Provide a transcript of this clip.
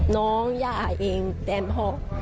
น้องญ้าเองแต่พ่อ